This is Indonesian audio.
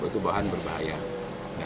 itu bahan berbahaya